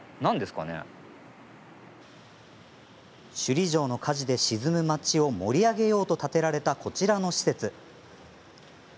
首里城の火事で沈む町を盛り上げようと建てられたこちらの施設。